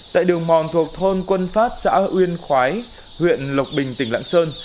tại đường mòn thuộc thôn quân phát xã uyên khói huyện lộc bình tỉnh lạng sơn